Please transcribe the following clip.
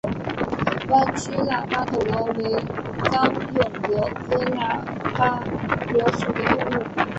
弯曲喇叭口螺为虹蛹螺科喇叭螺属的动物。